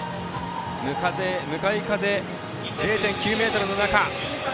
向かい風０．９メートルの中。